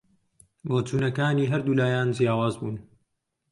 بۆچوونەکانی هەردوو لایان جیاواز بوون